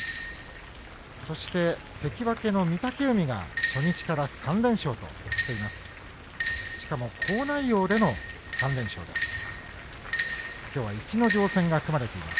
そして関脇の御嶽海が初日から３連勝としています。